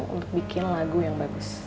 untuk bikin lagu yang bagus